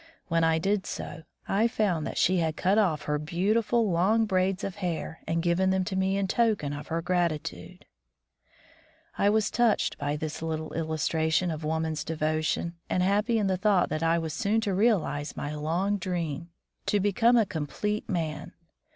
When I did so, I found that she had cut off her beautiful long braids of hair and given them to me in token of her gratitude ! I was touched by this little illustration of woman's devotion, and happy in the thought that I was soon to realize my long dream — to become a complete man!